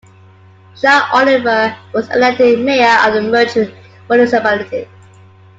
Jacques Olivier was elected mayor of the merged municipality.